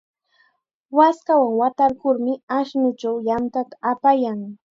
Waskawan watarkurmi ashnuchaw yantata apayan.